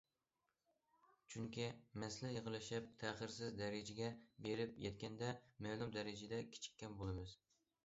چۈنكى مەسىلە ئېغىرلىشىپ تەخىرسىز دەرىجىگە بېرىپ يەتكەندە، مەلۇم دەرىجىدە كېچىككەن بولىمىز.